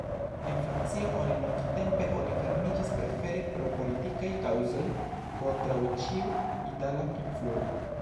En Francio oni longtempe oni fermiĝis, prefere pro politikaj kaŭzoj, kontraŭ ĉiu itala influo.